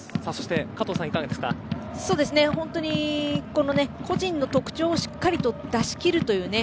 本当に個人の特徴をしっかりと出しきるというね